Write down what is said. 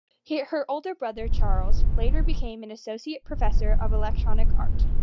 Her older brother, Charles, later became an associate professor of electronic art.